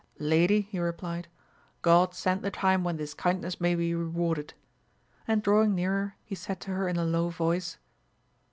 Lady, he replied, God send the time when this kindness may be rewarded ! and drawing nearer he said to her in a low voice.